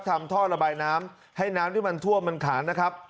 ท่อระบายน้ำให้น้ำที่มันท่วมมันขาดนะครับ